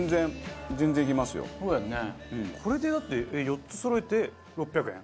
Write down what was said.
これでだって４つそろえて６００円？